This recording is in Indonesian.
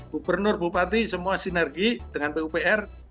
gubernur bupati semua sinergi dengan pupr